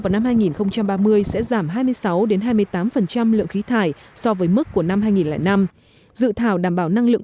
vào năm hai nghìn ba mươi sẽ giảm hai mươi sáu hai mươi tám lượng khí thải so với mức của năm hai nghìn năm dự thảo đảm bảo năng lượng